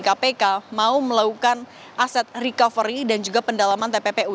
kpk mau melakukan aset recovery dan juga pendalaman tppu